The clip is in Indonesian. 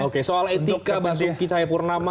oke soal etika bahas suki cahaya purnama